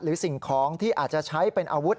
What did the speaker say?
สิ่งของที่อาจจะใช้เป็นอาวุธ